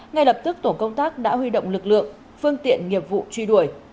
ngay lập tức tổ công tác đã huy động lực lượng phương tiện nghiệp vụ truy đuổi